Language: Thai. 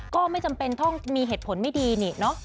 ก็ไม่จำเป็นต้องมีเหตุผลไม่ดีนี่เนอะ